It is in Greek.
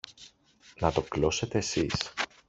Να το κλώσετε σεις!